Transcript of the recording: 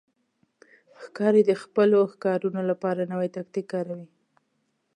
ښکاري د خپلو ښکارونو لپاره نوی تاکتیک کاروي.